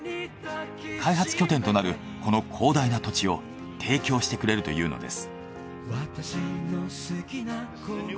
開発拠点となるこの広大な土地を提供してくれるというのです。